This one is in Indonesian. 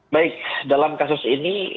baik dalam kasus ini